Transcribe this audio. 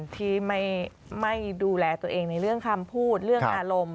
ที่ไม่ดูแลตัวเองในเรื่องคำพูดเรื่องอารมณ์